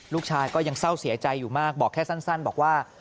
ลูกชายก็ยังเศร้าเสียใจอยู่มากบอกแค่สั้นบอกว่า